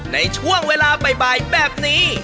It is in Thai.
ในช่วงเวลาบ่ายแบบนี้